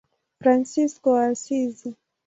Fransisko wa Asizi.